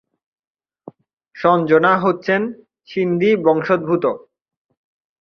সঞ্জনা হচ্ছেন সিন্ধি বংশোদ্ভূত।